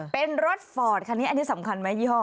เป็นรถฟอร์ตค่ะนี่สำคัญไหมยี่ห้อ